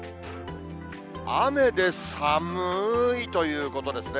雨で寒ーいということですね。